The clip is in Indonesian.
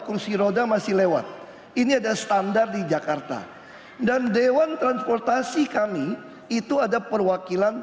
kursi roda masih lewat ini ada standar di jakarta dan dewan transportasi kami itu ada perwakilan